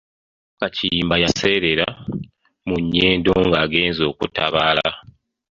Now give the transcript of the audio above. Kabaka Kiyimba yaseererera mu Nnyendo ng'agenze okutabaala.